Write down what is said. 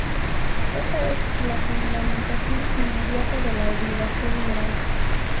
Esta es la fundamentación inmediata de la obligación moral.